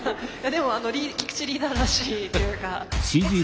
でも菊池リーダーらしいというか。